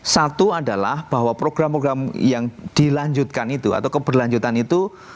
satu adalah bahwa program program yang dilanjutkan itu atau keberlanjutan itu